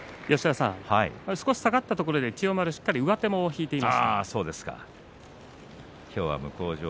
少し下がったところで千代丸しっかり上手を引いていました。